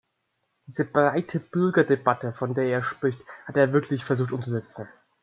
Diese breite Bürgerdebatte, von der er spricht, hat er wirklich versucht umzusetzen.